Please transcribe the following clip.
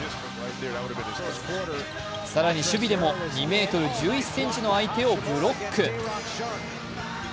更に守備でも２ｍ１１ｃｍの相手をブロック。